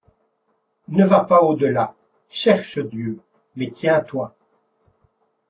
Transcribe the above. Ne va pas au delà. Cherche Dieu. Mais tiens-toi